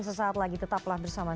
sesaat lagi tetaplah bersama